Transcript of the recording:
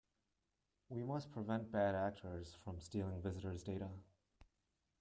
We must prevent bad actors from stealing visitors data.